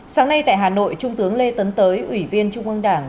sáng nay tại hà nội trung tướng lê tấn tới ủy viên trung ương đảng